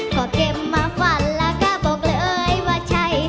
ก็เก็บมาฝันแล้วก็บอกเลยว่าใช่